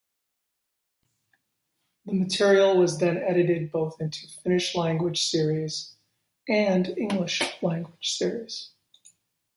The material was then edited both into Finnish-language series, and English language series.